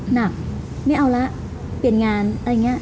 หนักไม่เอาละเปลี่ยนงานอะไรอย่างนี้